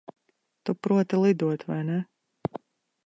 Tu proti lidot, vai ne?